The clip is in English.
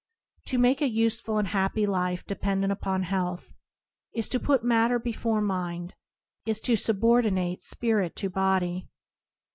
To make a useful and happy life dependent upon health, is to put matter before mind, is to subordinate spirit to body.